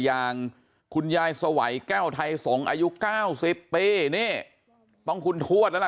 อย่างคุณยายสวัยแก้วไทยสงศ์อายุ๙๐ปีนี่ต้องคุณทวดแล้วล่ะ